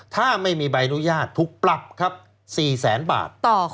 ถ้าไม่มีใบอนุญาตถูกปรับครับ๔แสนบาท